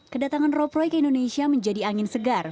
kedatangan rob roy ke indonesia menjadi angin segar